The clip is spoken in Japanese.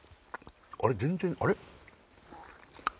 あれ全然あれ？